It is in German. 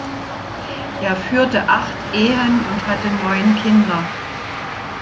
Er führte acht Ehen und hatte neun Kinder.